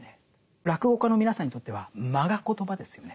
落語家の皆さんにとっては間がコトバですよね。